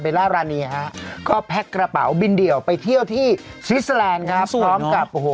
ล่ารานีฮะก็แพ็คกระเป๋าบินเดี่ยวไปเที่ยวที่สวิสเตอร์แลนด์ครับพร้อมกับโอ้โห